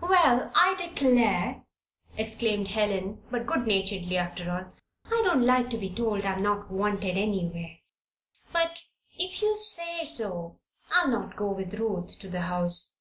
"Well, I declare," exclaimed Helen, but good naturedly after all. "I don't like to be told I'm not wanted anywhere. But if you say so, I'll not go with Ruth to the house."